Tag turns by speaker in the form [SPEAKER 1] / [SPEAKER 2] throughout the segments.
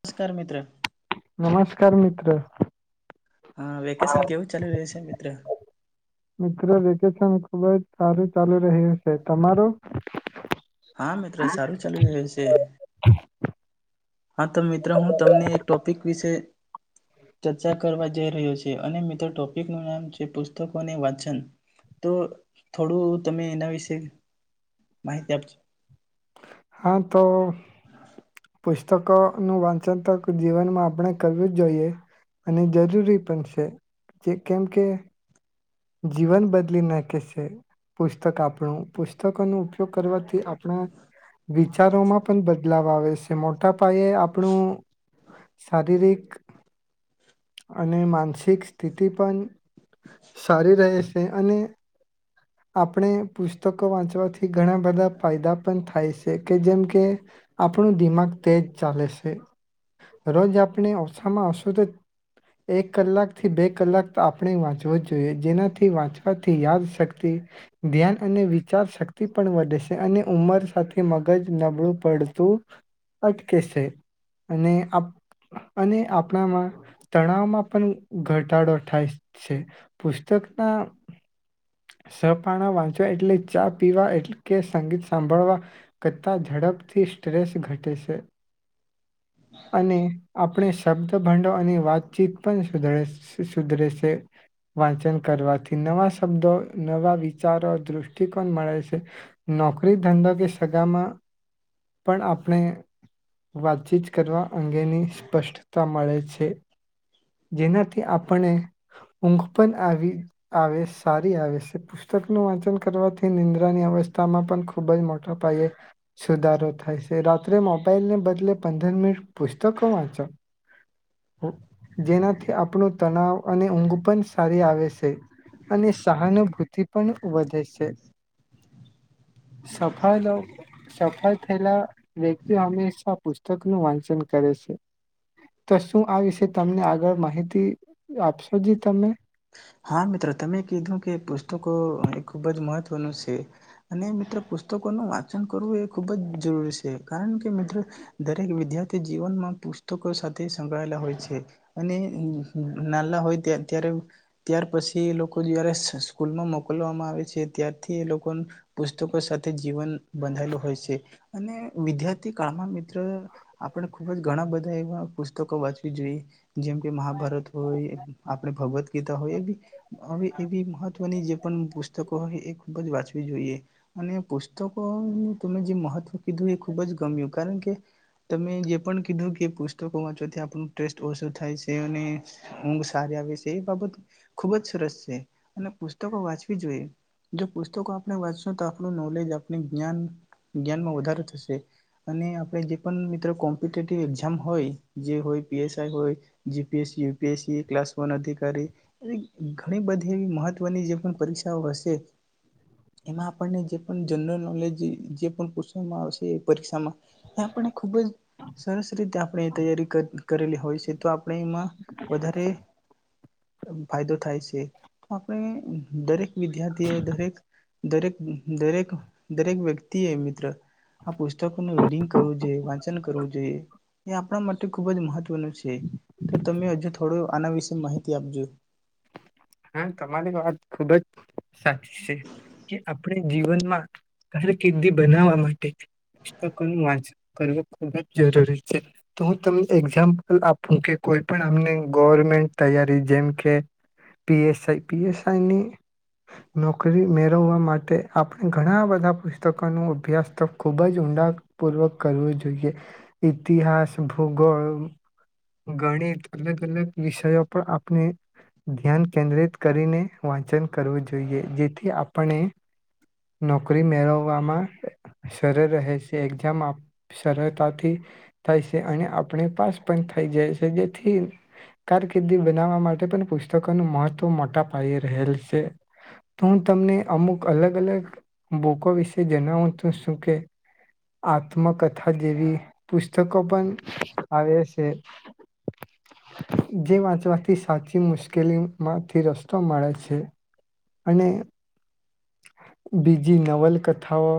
[SPEAKER 1] નમસ્કાર મિત્ર.
[SPEAKER 2] નમસ્કાર મિત્ર.
[SPEAKER 1] હા વેકેશન કેવું ચાલીુ રહ્યું છે મિત્ર.
[SPEAKER 2] ખૂબ જ સારું ચાલુ રહીશે તમારું!
[SPEAKER 1] હા મિત્રો સારું ચાલી રહ્યું છે. હા તો મિત્રો હું તમને એ ટોપિક વિશે ચર્ચા કરવા જઈ રહ્યો છે અને મિત્રો ટોપિક નું નામ છે પુસ્તકોને વાંચન તો થોડું તમે એના વિશે માહિતી આપજો.
[SPEAKER 2] હા તો પુસ્તકોનું વાંચન તો જીવનમાં આપણે કરવું જ જોઈએ અને જરૂરી પણ છે. કેમ કે જીવન બદલી નાખે છે. પુસ્તક આપણું પુસ્તકોનો ઉપયોગ કરવાથી આપણા વિચારોમાં પણ બદલાવ આવે છે મોટા પાયે આપણું શારીરિક અને માનસિક સ્થિતિ પણ સારી રહે છે. અને આપણે પુસ્તકો વાંચવાથી ઘણા બધા ફાયદા પણ થાય છે કે જેમ કે આપણું દિમાગ તેજ ચાલે છે. રોજ આપણે ઓછામાં ઓશું તો એક કલાકથી બે કલાક આપણે વાંચવો જ. જેનાથી વાંચવાથી યાદ શક્તિ ધ્યાન અને વિચાર શક્તિ પણ વધે છે. અને ઉંમર સાથે મગજ નબળું પડતું અટકે છે. અને અને આપણામાં તણાવમાં પણ ઘટાડો થાય છે. પુસ્તકના સહપાણા વાંચવા એટલે ચા પીવા એટલે કે સંગીત સાંભળવા કરતાં ઝડપથી સ્ટ્રેસ ઘટે શે. અને આપણે શબ્દ ભંડો અને વાતચીત પણ સુધડે સુધરે સે. વાંચન કરવાથી નવા શબ્દો નવા વિચારો દૃષ્ટિકોણ મળે સે નોકરી ધંધો કે સગામાં પણ આપણે વાતચીત કરવા અંગેની સ્પષ્ટતા મળે છે. જેનાથી આપણે ઊંઘ પણ આવી આવે સારી આવે સે પુસ્તકનું વાંચન કરવાથી નિંદ્રાની અવસ્થામાં પણ ખૂબ જ મોટા પાયે સુધારો થાય સે રાત્રે મોબાઈલને બદલે પંદર મિનિટ પુસ્તક વાંચો. [inaudible] જેનાથી આપણો તનાવ અને ઊંઘ પણ સારી આવે સે અને સહાનુભૂતિ પણ વધે સે સફ સફળ થયેલા વ્યક્તિ હંમેશા પુસ્તકનું વાંચન કરે સે તો શું આ વિશે તમને આગળ માહિતી આપશો જી તમે?
[SPEAKER 1] હા મિત્ર તમે કીધું કે પુસ્તકો એ ખૂબ જ મહત્વનું સે અને મિત્રો પુસ્તકોનું વાંચન કરવું એ ખૂબ જ જરૂરી સે કારણ કે મિત્રો દરેક વિદ્યાર્થી જીવનમાં પુસ્તકો સાથે સંકળાયેલા હોય સે અને નાલા હોય ત્યારે ત્યાર પસી એ લોકો જ્યારે સ્કૂલમાં મોકલવામાં આવે છે ત્યારથી એ લોકો પુસ્તકો સાથે જીવન બંધાયેલ હોય સે અને વિદ્યાર્થી કાળમાં મિત્રો આપણે ખુબ ઘણા બધા એવા પુસ્તકો વાંચવી જોઈએ. જેમ કે મહાભારત હોય આપણે ભગવત ગીતા હોય હવે એવી મહત્વની જે પણ પુસ્તકો હોય એ ખૂબ જ વાંચવી જોઈએ અને પુસ્તકો તમે જે મહત્વ કીધું એ ખુબ જ ગમ્યું કારણ કે તમે જે પણ કીધું કે પુસ્તકો વાંચવાથી આપણું ટેસ્ટ ઓસો થાય સે અને ઊંઘ સારી આવે સે એ બાબત ખુબ જ સરસ સે અને પુસ્તકો વાંચવી જોઈએ જો પુસ્તકો આપણે વાંચશું તો આપણું નોલેજ આપણું જ્ઞાન જ્ઞાનમાં વધારો થશે અને આપણે જે પણ મિત્ર કોમ્પિટેટિવ એક્ઝામ હોય જે હોય પીએસઆઈ હોય જીપીએસી યુપીએસસી ક્લાસ વન અધિકારી ઘણી બધી એવી મહત્વની જે પણ પરીક્ષાઓ હશે એમાં આપણને જે પણ જનરલ નોલેજ જે પણ પૂસવામાં આવશે એ પરીક્ષામાં એ આપણને ખૂબ જ સરસ રીતે આપણે તૈયારી કરેલી હોય છે તો આપણે એમાં વધારે ફાયદો થાય સે તો આપણે દરેક વિદ્યાર્થીઓ દરેક દરેક દરેક દરેક વ્યક્તિએ મિત્ર આ પુસ્તકોનું રીડિંગ કરવું જોઈએ વાચન કરવું જોઈએ એ આપણા માટે ખુબ જ મહત્વનું સે તો તમે હજુ થોડું આના વિશે માહિતી આપજો.
[SPEAKER 2] હા તમારી વાત ખૂબ જ સાચી સે કે આપણે જીવનમાં કારકિર્દી બનાવવા માટે પુસ્તકોનું વાચન કરવું ખૂબ જ જરૂરી છે તો હું તમને એક્ઝામ્પલ આપું કે કોઈ પણ અમને ગવર્મેન્ટ તૈયારી જેમ કે પીએસઆઈ પીએસઆઈની નોકરી મેળવવા માટે આપણે ઘણા બધા પુસ્તકોનો અભ્યાસ તો ખૂબ જ ઊંડાપૂર્વક કરવો જોઈએ ઇતિહાસ ભૂગોળ ગણિત અલગ અલગ વિષયો પર આપને ધ્યાન કેન્દ્રિત કરીને વાચન કરવું જોઈએ જેથી આપણે નોકરી મેળવવામાં સરળ રહે છે એક્ઝામ સરળતાથી થાય સે અને આપણે પાસ પણ થઈ જાય છે જેથી કારકિર્દી બનાવવા માટે પણ પુસ્તકોનું મહત્વ તો મોટા પાયે રહેલ સે તો હું તમને અમુક અલગ અલગ બુકો વિશે જણાવું છું શું કે આત્મકથા જેવી પુસ્તકો પણ આવે છે જે વાંચવાથી સાચી મુશ્કેલી માંથી રસ્તો મળે છે અને બીજી નવલકથાઓ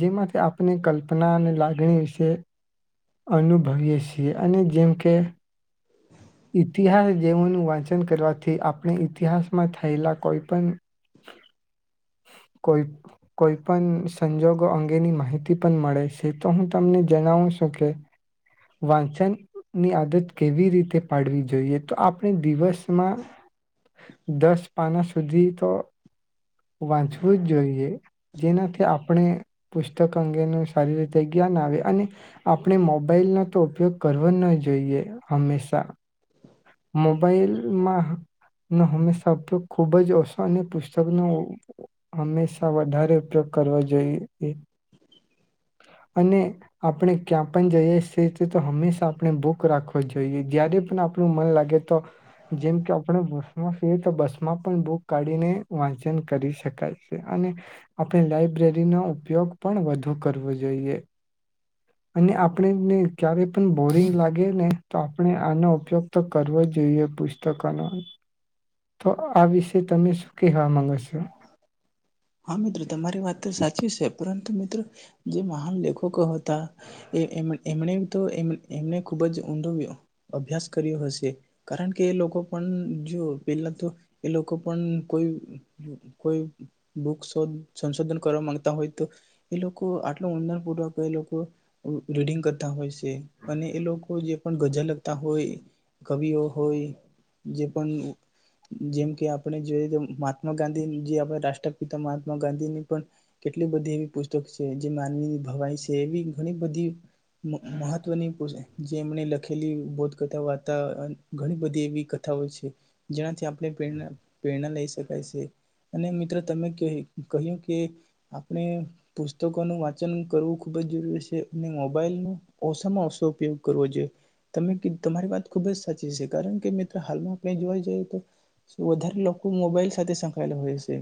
[SPEAKER 2] જેમાંથી આપને કલ્પના અને લાગણી વિશે અનુભવીયએ સીએ અને જેમ કે ઈતિહાસ જેવોનું વાચન કરવાથી આપણે ઇતિહાસમાં થયેલા કોઈ પણ કોઈ કોઈ પણ સંજોગો અંગેની માહિતી પણ મળે સે તો હું તમને જણાવું સુ. કે વાંચન ની આદત કેવી રીતે પાડવી જોઈએ તો આપણે દિવસ માં દસ પાના સુધી તો વાંચવું જ જોઈએ જેનાથી આપણે પુસ્તક અંગેનું સારી રીતે જ્ઞાન આવે અને આપણે મોબાઈલનો તો ઉપયોગ કરવો ન જોઈએ હંમેશા મોબાઈલમાં નો હંમેશા ઉપયોગ ખુબ જ ઓસો અને પુસ્તકનો હંમેશા વધારે ઉપયોગ કરવાવો જોઈએ અને આપણે ક્યાં પણ જઈએ સે તો હંમેશા આપણે બુક રાખવો જોઈએ જ્યારે પણ આપણું મન લાગે તો જેમ કે આપણે બસમાં તો બસમાં પણ બુક કાઢીને વાચન કરી શકાય સે અને આપણે લાયબ્રેરીનો ઉપયોગ પણ વધુ કરવો જોઈએ અને આપણેને ક્યારે પણ બોરિંગ લાગે ને તો આપણે આનો ઉપયોગ કરવો જોઈએ પુસ્તકોનો તો આ વિશે તમે શું કહેવા માંગો સો.
[SPEAKER 1] હા મિત્રો તમારી વાત તો સાચી સે પરંતુ મિત્રો જે મહાન લેખકો હતા એ એમણે તો એ એમને ખુબ જ ઊંડો અભ્યાસ કર્યો હશે કારણ કે એ લોકો પણ જો પેલા તો એ લોકો પણ કોઈ કોઈ [unintelligible] સંશોધન કરવા માંગતા હોય તો એ લોકો આટલું ઊંડાણપૂર્વક એ લોકો રીડિંગ કરતા હોય સે અને એ લોકો જે પણ ગઝલ લગતા હોય કવિઓ હોય જે પણ જેમ કે આપણે જોઈ મહાત્મા ગાંધી જે આપણા રાષ્ટ્ર પિતા મહાત્મા ગાંધીની પણ કેટલી બધી એવી પુસ્તક સે જે માનવી ભવાઈ સે એવી ઘણી બધી મહત્વની જે એમણે લખેલી બોધ કથા વાર્તા ઘણી બધી એવી કથાઓ છે જ્યાંથી આપણેેણા પ્રેરણા લઈ શકાય સે અને મિત્ર તમે કે કહ્યું કે આપણે પુસ્તકોનું વાચન કરવું ખુબ જ જરૂરી સે અને મોબાઈલનો ઓસા માં ઓસો ઉપયોગ કરવો જોઈએ ત તમારી વાત ખુબ જ સાચી સે કારણ કે મિત્રો હાલમાં આપણે જોવા જઈએ તો વધારે લોકો મોબાઈલ સાથે સંકળાયેલા હોય સે.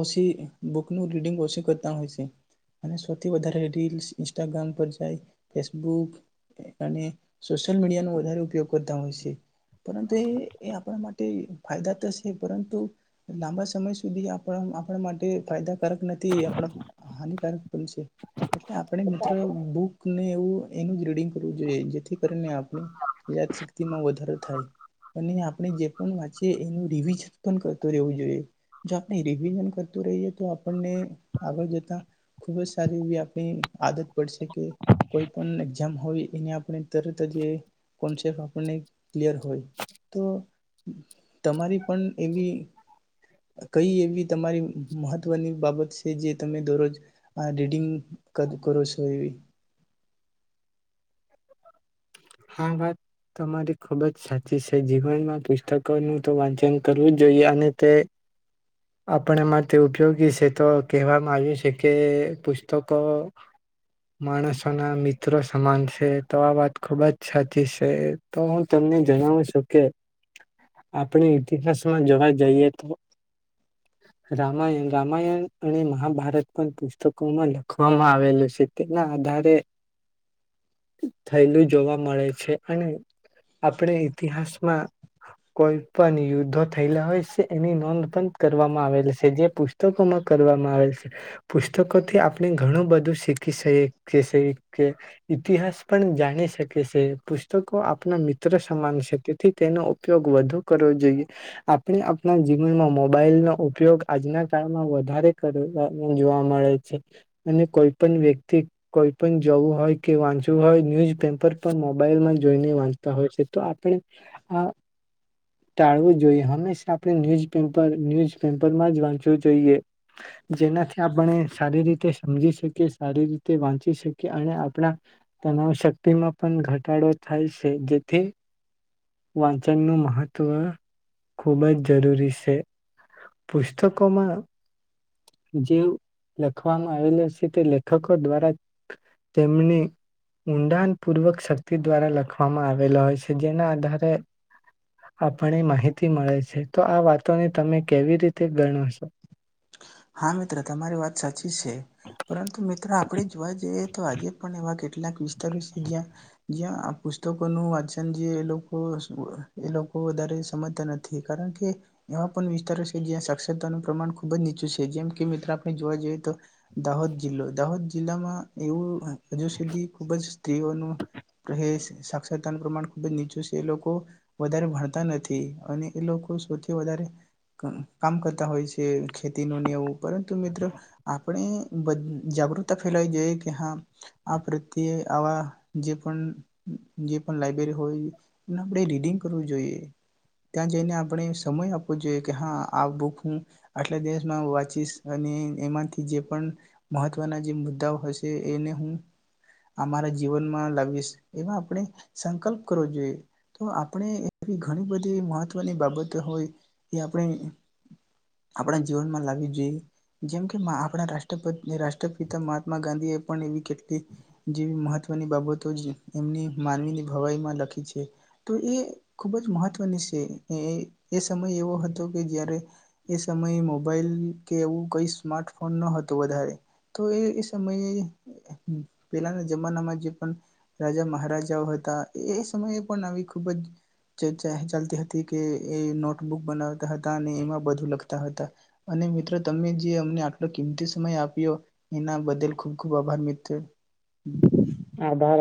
[SPEAKER 1] ઓસી બુકનું રીડિંગ ઓસી કરતા હોય સે અને સૌથી વધારે રીલ્સ ઇન્સ્ટાગ્રામ પર જાય ફેસબુક અને સોશિયલ મીડિયાનો વધારે ઉપયોગ કરતા હોય સે પરંતુ એ એ આપણા માટે ફાયદા તો સે પરંતુ લાંબા સમય સુધી આપ આપણા માટે ફાયદાકારક નથી આપણા હાનિકારક પણ છે. એટલે આપણે મિત્રો બુક ને એનું રીડિંગ કરવું જોઈએ જેથી કરીને આપ યાદ શક્તિમાં વધારો થાય અને આપણે જે પણ વાચીએ એનું રિવીઝન પણ કરતું રહેવું જોઈએ. જો આપણે રિવિઝન કરતું રહીએ તો આપણને આગળ જતા ખુબ જ સારી એવી આપણી આદત પડશે કે કોઈ પણ એક્ઝામ હોય એની આપણે તરત જ કોન્સેપ આપણને ક્લિયર હોય તો તમારી પણ એવી કઈ એવી તમારી મહત્વની બાબત સે જે તમે દરરોજ આ રીડિંગ કર કરો સો એવી
[SPEAKER 2] હા વાત તમારી ખૂબ જ સાચી સે જીવનમાં પુસ્તકોનું તો વાચન કરવું જ જોઈએ અને તે આપણે માટે ઉપયોગી સે તો કહેવામાં આવ્યું સે કે પુસ્તકો માણસોના મિત્રો સમાન સે તો આ વાત ખૂબ જ તો હું તમને જણાવું સુ કે આપણે ઇતિહાસમાં જોવા જઈએ તો રામાયણ રામાયણ અને મહાભારત પણ પુસ્તકોમાં લખવામાં આવેલું સે તેના આધારે થયેલું જોવા મળ છે અને આપણે ઈતિહાસમાં કોઈ પણ યુદ્ધો થયેલા હોય સે એની નોંધ પણ કરવામાં આવેલ સે જે પુસ્તકોમાં કરવામાં આવેલ સે પુસ્તકોથી આપણે ઘણું બધું શીખી શકીએ કે ઈતિહાસ પણ જાણી શકીએ પુસ્તકો આપણા મિત્ર સમાન સે તેથી તેનો ઉપયોગ વધુ કરવો જોઈએ આપણે આપણા જીવનમાં મોબાઈલનો ઉપયોગ આજના કાળમાં વધારે જોવા મળે છે અને કોઈ પણ વ્યક્તિ કોઈ પણ જવું હોય કે વાંચવું હોય ન્યુઝપેપર મોબાઈલમાં જોઈને વાંચતા હોય છે તો આપણે આ ટાળવું જોઈએ હંમેશા આપણે ન્યૂઝેપ ન્યુઝ પેપરમાં જ વાંચવું જોઈએ જેનાથી આપણે સારી રીતે સમજી શકીએ સારી રીતે વાંચી શકીએ અને આપણા તવ શક્તિમાં. પણ ઘટાડો થાય છે જેથી વાંચનનું મહત્વ ખૂબ જ જરૂરી છે. પુસ્તકોમાં જે લખવામાં આવેલ છે તે લેખકો દ્વારા તેમની ઊંડાણ પૂર્વક શક્તિ દ્વારા લખવામાં આવેલા હોય છે જેના આધારે આપને માહિતી મળે છે તો આ વાતોને તમે. કેવી રીતે ગણ છે.
[SPEAKER 1] હા મિત્ર તમારી વાત સાચી છે પરંતુ મિત્રો આપણે જોવા જઈએ તો આજે પણ એવા કેટલાક વિસ્તારો છે જ્યાં જ્યા પુસ્તકોનું વાંચન જે એ લોકો એ લોકો વધારે સમજતા નથી કારણ કે એવા પણ વિસ્તારો છે જ્યાં સાક્ષરતાનું પ્રમાણ ખુબ જ નીચું છે. જેમ કે મિત્ર આપણે જોવા જઈએ તો, દાહોદ જિલ્લો દાહોદ જિલ્લામાં એવું હજુ સુધી ખુબ જ સ્ત્રીઓનું પ્રહેશ સાક્ષરતાનું પ્રમાણ ખુબ જ નીચું છે. એ લોકો વધારે ભણતા નથી અને એ લોકો સૌથી વધારે કામ કરતા હોય છે. તે નુ એવુ પરંતુ મિત્રો આપણે બ જાગૃતતા ફેલાવી ગઈએ કે હા આ પ્રત્યે આવા જે પણ જે પણ લાઈબ્રેરી હોય એ આપ રીડિંગ કરવું જોઈએ, ત્યાં જઈને આપણે સમય આપવો જોઈએ કે હા આ બુક હું આટલા દિવસ મા વાંચીશ અને એમાંથી જે પણ મહત્વના જે મુદ્દાઓ હશે એને હું અમારા જીવનમાં લાવીશ. એવા આપણે સંકલ્પ કરવો જોઈએ તો આપણે એવી ઘણી બધી મહત્વની બાબતો હોય એ આપણે આપણા જીવનમાં લાવવી જોઈએ. જેમ કે મા આપણા રાષ્ટ્રપતિ રાષ્ટ્રપિતા મહાત્મા ગાંધી એ પણ એવી કેટલી જેવી મહત્વની બાબતો એમની માનવીની ભવાઈમાં લખી છે, તો એ ખૂબ જ મહત્ત્વની સે એ સમય એવો હતો કે જ્યારે એ સમય મો પેલ કે એવું કઈ સ્માર્ટ ફોન ન હતો, વધારે તો એ એ સમયે પેલાના જમાનામાં જે પણ રાજા મહારાજાઓ હતા એ એ સમયે પણ આવી ખુબ જ ચર્ચા ચાલતી હતી કે એ નોટબુક બનાવ તા હતા અને એમાં બધું લખ તા હતા. અને મિત્રો તમે જે અમને આટલો કિમતી સમય આપ્યો એના બદલ ખુબ, ખુબ આભાર મિત્રો.
[SPEAKER 2] [unintelligible]